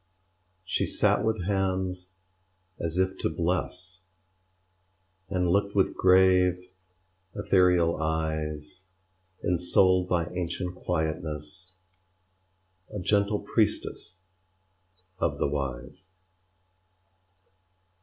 She sat with hands as if to bless, And looked with grave, ethereal eyes; Ensouled by ancient quietness, A gentle priestess of the Wise.